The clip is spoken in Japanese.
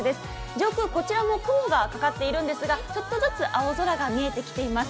上空、こちらも雲がかかっているんですが、ちょっとずつ青空が見えてきています。